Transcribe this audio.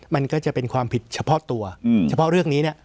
มันก็จะเป็นความผิดเฉพาะตัวเฉพาะเรื่องนี้เนี่ย